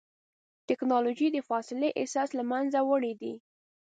ټکنالوجي د فاصلې احساس له منځه وړی دی.